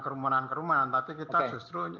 kerumunan kerumunan tapi kita justru